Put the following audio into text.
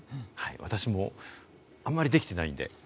私もあまりできてないんで。